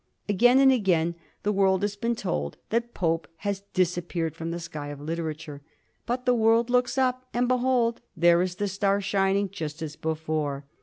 Again and again the world has been told that Pope has disap peared from the sky of literature, but the world looks up, and behold, there is the star shining just as before.